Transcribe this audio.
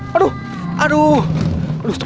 sind clicked kan tadi